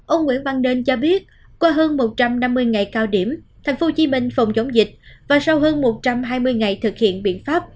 ông nguyễn văn nên cho biết qua hơn một trăm năm mươi ngày cao điểm tp hcm phòng chống dịch và sau hơn một trăm hai mươi ngày thực hiện biện pháp